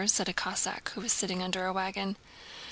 said a Cossack who was sitting under a wagon.